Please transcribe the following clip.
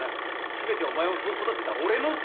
全てはお前をそう育てた俺のせいだ！